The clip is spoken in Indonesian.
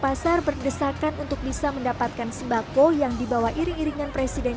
pasar berdesakan untuk bisa mendapatkan sembako yang dibawa iring iringan presiden